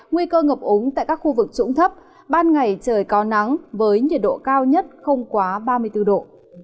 nguy cơ ngập úng tại các khu vực trung tâm ban ngày trời có nắng với nhiệt độ cao nhất không quá ba mươi bốn độ